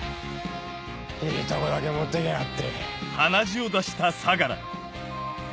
いいとこだけ持って行きやがって。